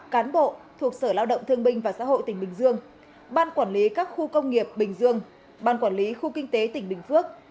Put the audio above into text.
cán bộ thuộc sở lao động thương binh và xã hội tỉnh bình dương ban quản lý các khu công nghiệp bình dương ban quản lý khu kinh tế tỉnh bình phước